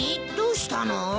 どうしたの？